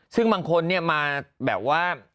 ซึ่งบางคนเนี่ยมาแบบว่า